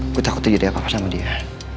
aku takut jadi apa apa sama dia